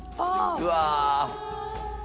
うわ！